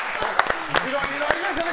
いろいろありましたね。